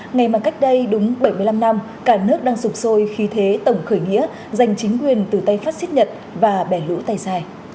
ngày mà cách đây đúng bảy mươi năm năm cả nước đang sụp sôi khi thế tổng khởi nghĩa dành chính quyền từ tây pháp xích nhật và bẻ lũ tay dài